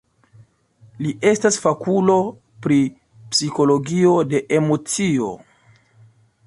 Li estas fakulo pri psikologio de emocio.